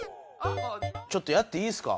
ちょっとやっていいですか？